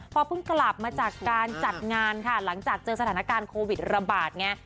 พอเพิ่งกลับมาจากการจัดงานค่ะหลังจากเจอสถานการณ์โควิดระบาดไง